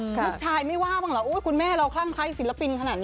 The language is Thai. ลูกชายไม่ว่าบ้างเหรอคุณแม่เราคลั่งคล้ายศิลปินขนาดนี้